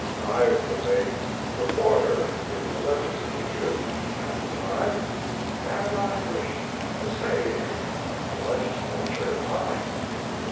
I was a reporter in the Legislature at the time, and I wished to save the Legislature time.